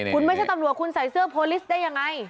คุณไม่ใช่ตำรวจคุณใส่เสื้อโพลิสต์ได้ยังไง